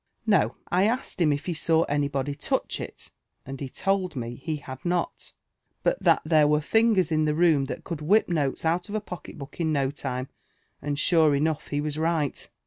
No ; I asked him if he saw anybody touch it, and he told me he had not ; but that there were fingers in that room that could whip notes out of a pocket book in no lime— and sure enough he was right."